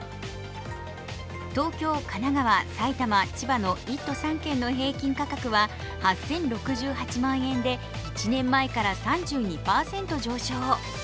東京、神奈川、埼玉、千葉の１都３県の平均価格は８０６８万円で１年前から３２％上昇。